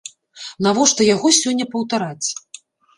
Навошта яго сёння паўтараць?